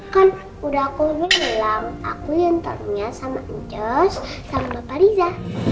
kan udah aku bilang aku yang tahunya sama ijos sama bapak riza